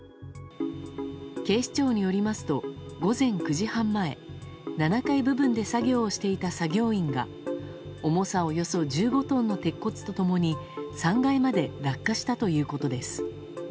警視庁によりますと午前９時半前７階部分で作業をしていた作業員が重さおよそ１５トンの鉄骨と共に３階まで落下したということです。